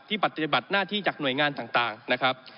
ปฏิบัติหน้าที่จากหน่วยงานต่างนะครับ